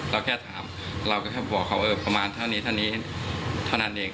เราแค่ถามเราแค่บอกเขาประมาณเท่านี้เท่านั้นเอง